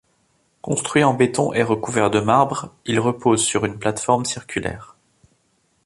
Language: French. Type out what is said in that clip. Construit en béton et recouvert de marbre, il repose sur une plateforme circulaire.